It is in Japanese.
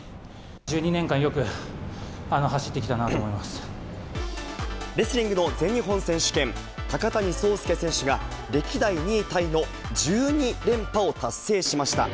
１２年間、レスリングの全日本選手権、高谷惣亮選手が、歴代２位タイの１２連覇を達成しました。